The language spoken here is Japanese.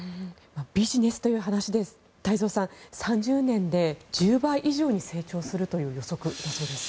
ビジネスという話で太蔵さん、３０年で１０倍以上に成長するという予測です。